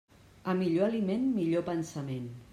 A millor aliment, millor pensament.